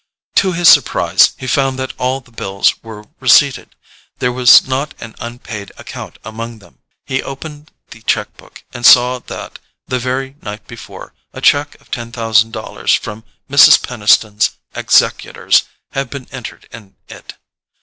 To his surprise, he found that all the bills were receipted; there was not an unpaid account among them. He opened the cheque book, and saw that, the very night before, a cheque of ten thousand dollars from Mrs. Peniston's executors had been entered in it.